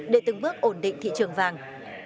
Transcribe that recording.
để từng bước ổn định thị trường vàng